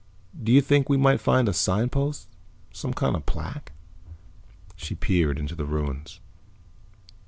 "Do you think we might find a signpost? Some kind of plaque?" She peered into the ruins.